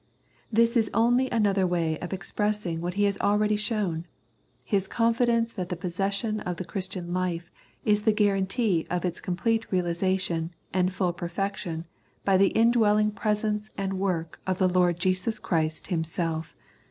This is only another way of expressing what he has already shown, his confidence that the possession of the Christian life is the guarantee of its com plete realisation and full perfection by the indwelling presence and work of the Lord Jesus Christ Himself (ch.